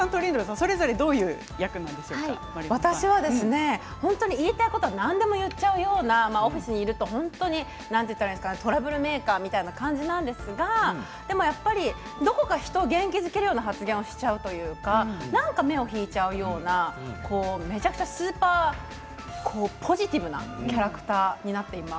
それぞれどんな役私は言いたいこと何でも言っちゃうようなオフィスにいると本当にトラブルメーカーみたいな感じなんですがでもやっぱりどこか人を元気づけるような発言をしちゃうというかなんか人目を引いちゃうようなめちゃくちゃスーパーポジティブなキャラクターになっています。